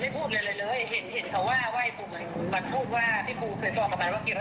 พี่ปุ๋มเคยบอกกับมันว่าเก็บรสชาลีได้แต่ไอ้ปุ๋มมันก็ไม่พูดอะไร